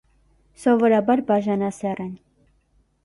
Սովորաբար բաժանասեռ են։